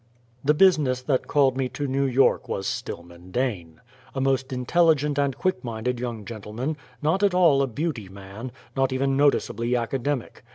The business that called me to New York was Stillman Dane. A most intelligent and quick minded young gentleman not at all a beauty man not even noticeably academic.